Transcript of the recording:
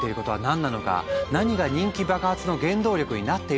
何が人気爆発の原動力になっているのか？